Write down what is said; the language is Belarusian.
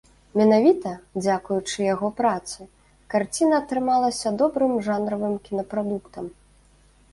Менавіта дзякуючы яго працы, карціна атрымалася добрым жанравым кінапрадуктам.